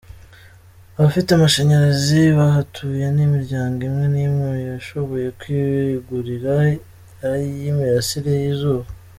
Abafite amashanyarazi bahatuye ni imiryango imwe n’imwe yashoboye kwigurira ay’imirasire y’izuba.